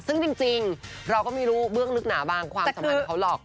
ซึ่งจริงเราก็ไม่รู้เบื้องลึกหนาบางความสัมพันธ์เขาหรอก